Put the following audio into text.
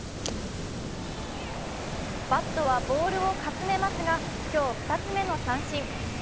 バットはボールをかすめますが今日２つめの三振。